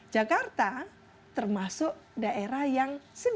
jakarta termasuk daerah yang